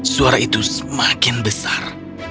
suara itu semakin besar